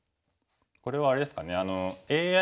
これはあれですかね。